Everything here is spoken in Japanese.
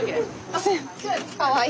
かわいい。